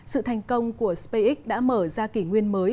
sự thành công của spacex đã mở ra kỷ nguyên mới